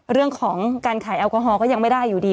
เรื่องของการขายแอลกอฮอลก็ยังไม่ได้อยู่ดี